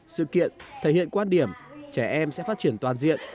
sự kiện thể hiện quan điểm trẻ em sẽ phát triển toàn diện